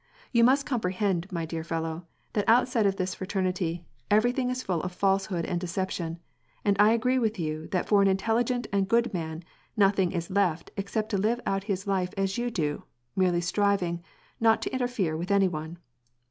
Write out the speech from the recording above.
" You mast comprehend, my dear fellow, that outside of this fraternity, everything is full of falsehood and deception, and I agree with you that for an intelligent and good man nothing is left except to live out his life as you do, merely striving not to inter fere with any one.